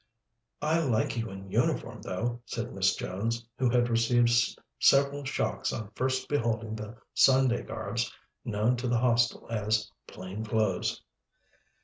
"I like you in uniform, though," said Miss Jones, who had received several shocks on first beholding the Sunday garbs known to the Hostel as "plain clothes."